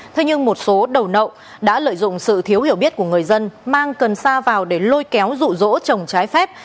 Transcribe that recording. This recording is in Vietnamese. thế nhưng một số đầu nậu đã lợi dụng sự thiếu hiểu biết của người dân mang cần xa vào để lôi kéo rụ rỗ trồng trái phép